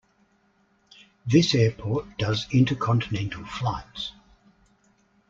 This airport does intercontinental flights.